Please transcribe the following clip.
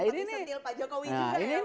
ya kemarin seperti senil pak jokowi juga ya pak